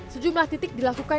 sejumlah titik dilakukan